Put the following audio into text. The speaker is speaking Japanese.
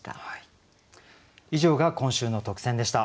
以上が今週の特選でした。